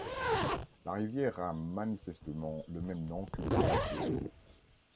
La rivière a manifestement le même nom que le village d'Escou.